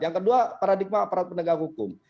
yang kedua paradigma aparat penegak hukum